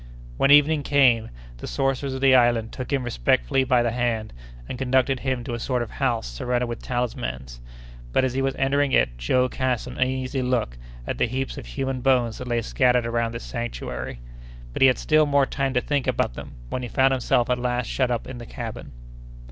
When evening came, the sorcerers of the island took him respectfully by the hand, and conducted him to a sort of house surrounded with talismans; but, as he was entering it, Joe cast an uneasy look at the heaps of human bones that lay scattered around this sanctuary. But he had still more time to think about them when he found himself at last shut up in the cabin.